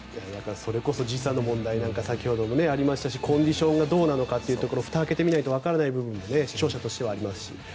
それこそ時差の問題なんか先ほどもありましたしコンディションがどうなのかというところふたを開けてみないとわからない部分が視聴者としてもありますし。